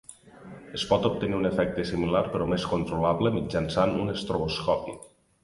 Es pot obtenir un efecte similar però més controlable mitjançant un estroboscopi.